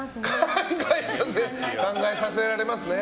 考えさせられますね。